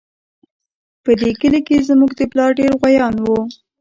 په دې کلي کې زموږ د پلار ډېر غويان وو